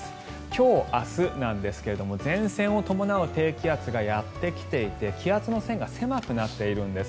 今日、明日なんですが前線を伴う低気圧がやってきていて気圧の線が狭くなっているんです。